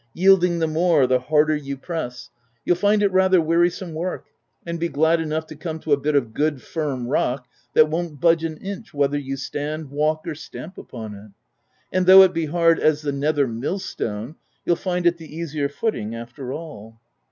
yielding the more the harder you press, — you'll find it rather wearisome work, and be glad enough to come to a bit of good, firm rock, that won't budge an inch whether you stand, walk, or stamp upon it ; and, though it be hard as the nether millstone, you'll find it the easier footing after all."